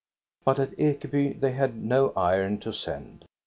But at Ekeby they had no iron to send.